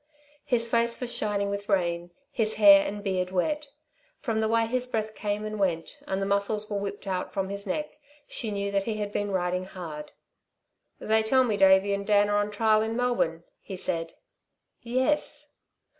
His face was shining with rain, his hair and beard wet. From the way his breath came and went, and the muscles were whipped out from his neck, she knew that he had been riding hard. "They tell me Davey and Dan are on trial in Melbourne," he said. "Yes."